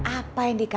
apa yang dikawal